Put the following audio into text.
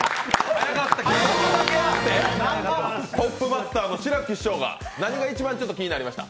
トップバッターの志らく師匠が、何が一番気になりました？